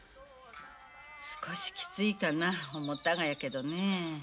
少しきついかな思たがやけどね。